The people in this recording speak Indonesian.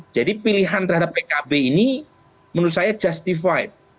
jadi pilihan terhadap pkb ini menurut saya justified